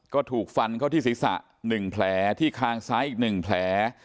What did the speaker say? ก็ถูกฟันเข้าที่ศีรษะ๑แผลที่คางซ้ายอีก๑แผล